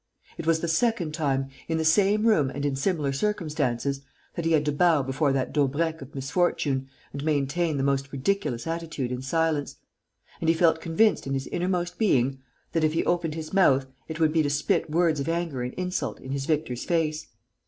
It was the second time, in the same room and in similar circumstances, that he had to bow before that Daubrecq of misfortune and maintain the most ridiculous attitude in silence. And he felt convinced in his innermost being that, if he opened his mouth, it would be to spit words of anger and insult in his victor's face.